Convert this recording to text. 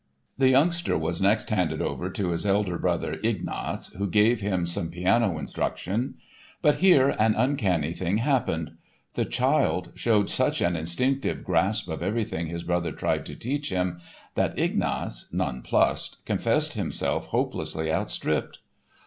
The youngster was next handed over to his elder brother, Ignaz, who gave him some piano instruction. But here an uncanny thing happened! The child showed such an instinctive grasp of everything his brother tried to teach him that Ignaz, nonplussed, confessed himself hopelessly outstripped.